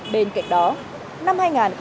bên cạnh đó năm hai nghìn một mươi bảy